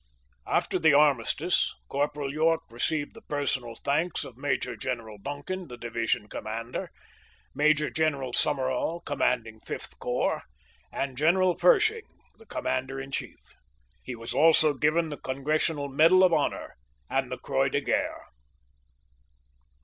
After the armistice, Corporal York received the personal thanks of Major General Duncan, the Division Commander, Major General Summerall, Commanding 5th Corps, and General Pershing, the Commander in Chief. He also was given the Congressional Medal of Honor and the Croix de Guerre.